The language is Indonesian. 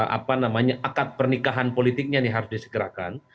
apa namanya akad pernikahan politiknya ini harus disegerakan